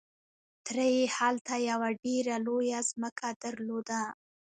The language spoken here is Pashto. تره يې هلته يوه ډېره لويه ځمکه درلوده.